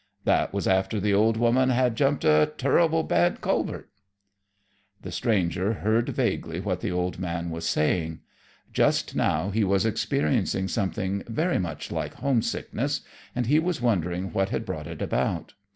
That was after the old woman had jumped a turrible bad culvert." The stranger heard vaguely what the old man was saying. Just now he was experiencing something very much like homesickness, and he was wondering what had brought it about.